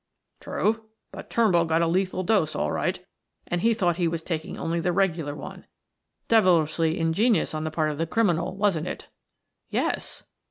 "True, but Turnbull got a lethal dose, all right; and he thought he was taking only the regular one. Devilishly ingenious on the part of the criminal, wasn't it? "Yes.